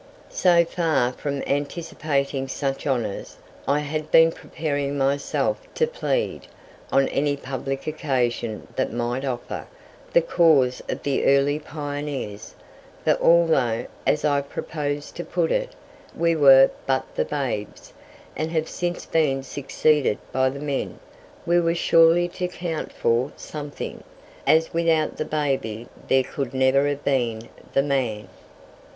So far from anticipating such honours, I had been preparing myself to plead, on any public occasion that might offer, the cause of the early pioneers; for although, as I proposed to put it, we were but the babes, and have since been succeeded by the men, we were surely to count for something, as without the baby there could never have been the man.